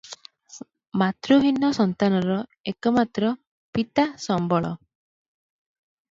ମାତୃହୀନ ସନ୍ତାନର ଏକମାତ୍ର ପିତା ସମ୍ବଳ ।